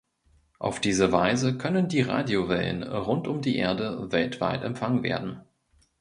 Auf diese Weise können die Radiowellen rund um die Erde weltweit empfangen werden.